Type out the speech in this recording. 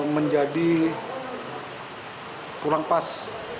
menjadi kurang pas